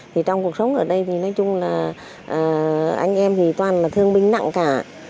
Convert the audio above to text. thì trong cuộc sống ở đây thì nói chung là anh em thì toàn là thương binh nặng cả